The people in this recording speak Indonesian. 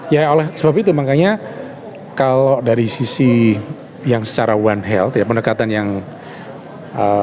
ya oleh sebab itu makanya kalau dari sisi yang secara one health ya pendekatan yang lebih